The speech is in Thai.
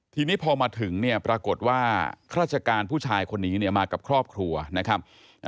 ทีนี้พอมาถึงเนี่ยปรากฏว่าราชการผู้ชายคนนี้เนี่ยมากับครอบครัวนะครับ